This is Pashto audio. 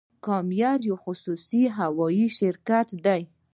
کام ایر یو خصوصي هوایی شرکت دی